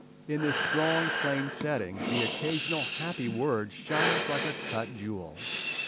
In this strong, plain setting the occasional happy word shines like a cut jewel.